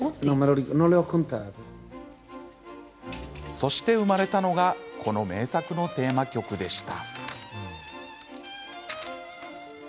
そして、生まれたのがこの名作のテーマ曲でした。